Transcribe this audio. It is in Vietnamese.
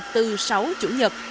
từ sáu chủ nhật